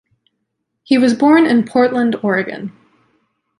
He was born in Portland, Oregon.